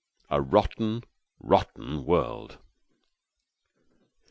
A rotten, rotten world!